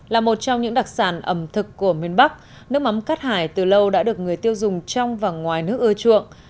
là một trong những đặc sản ẩm thực của miền bắc nước mắm cát hải từ lâu đã được người tiêu dùng trong và ngoài nước ưa chuộng